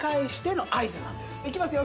いきますよ